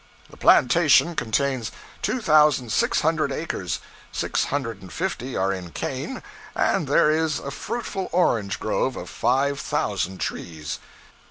The plantation contains two thousand six hundred acres; six hundred and fifty are in cane; and there is a fruitful orange grove of five thousand trees.